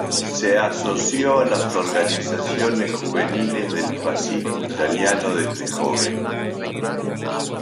Se asoció a las organizaciones juveniles del fascismo italiano desde joven.